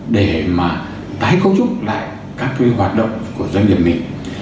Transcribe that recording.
để mà tái công giúp lại các cái hoạt động của doanh nghiệp mình